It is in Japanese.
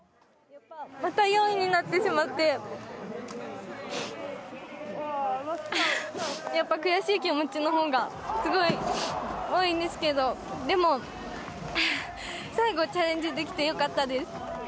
また４位になってしまって、やっぱ悔しい気持ちのほうが、すごい多いんですけど、でも、最後、チャレンジできてよかったです。